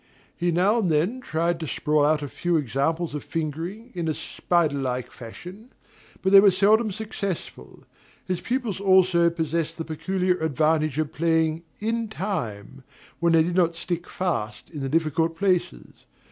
He now and then tried to sprawl out a few examples of fingering, in a spider like fashion; but they were seldom successful. His pupils also possessed the peculiar advantage of playing "in time," when they did not stick fast in the difficult places.